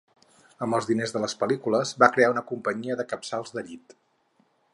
Amb els diners de les pel·lícules, va crear una companyia de capçals de llit.